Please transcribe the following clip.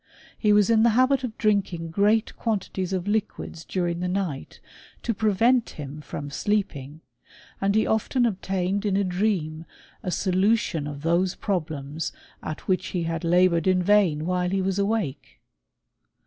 He was in the habit of drinking great quantities of liquids during the night, to prevent him from sleeping ; and he often obtained in a dream a solution of those problems at which he had laboured in vain while he was awake.